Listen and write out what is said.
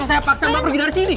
saya paksa mbak pergi dari sini